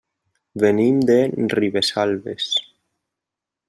Venim de Ribesalbes.